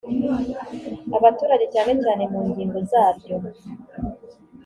abaturage cyane cyane mu ngingo zaryo